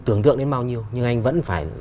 tưởng tượng đến bao nhiêu nhưng anh vẫn phải